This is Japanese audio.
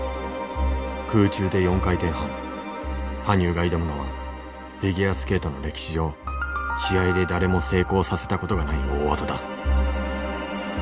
羽生が挑むのはフィギュアスケートの歴史上試合で誰も成功させたことがない大技だ。